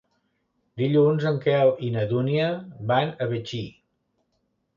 Dilluns en Quel i na Dúnia van a Betxí.